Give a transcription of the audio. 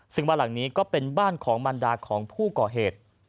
ซึ่งบ้านหลังนี้ก็เป็นบ้านของมันดาของผู้ก่อเหตุ